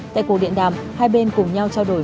tại cuộc điện đàm hai bên cùng nhau trao đổi